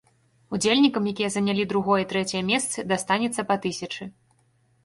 Удзельнікам, якія занялі другое і трэцяе месцы, дастанецца па тысячы.